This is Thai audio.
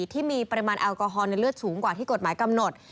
ที่มีปริมาณแอลกอฮอลในเลือดสูงกว่าที่กฎหมายกำหนด